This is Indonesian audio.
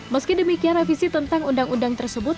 meski demikian revisi tentang undang undang tersebut